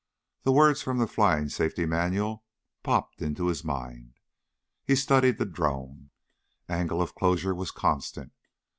_ The words from the Flying Safety Manual popped into his mind. He studied the drone. Angle of closure was constant!